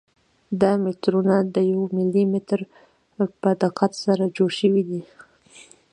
دا مترونه د یو ملي متر په دقت سره جوړ شوي دي.